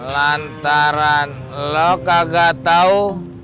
lantaran lo kagak tau